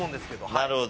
なるほど。